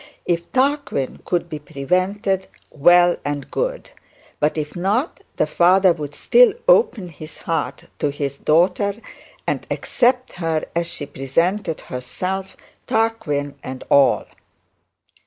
If Tarquin could be prevented, well and good; but if not, the father would still open his heart to his daughter, and accept her as she present herself, Tarquin and all.